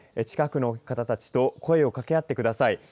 近くの方たちと声を掛け合ってください。